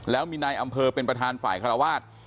แล้วมีนายอำเภอเป็นประธานฝ่ายคารวาส